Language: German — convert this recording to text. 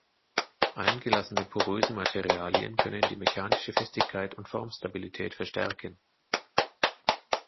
Eingelassene poröse Materialien können die mechanische Festigkeit und Formstabilität verstärken.